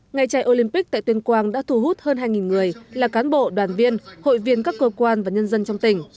ngày chạy olympic tại tuyên quang đã thu hút hơn hai người là cán bộ đoàn viên hội viên các cơ quan và nhân dân trong tỉnh